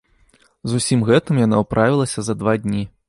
З усім гэтым яна ўправілася за два дні.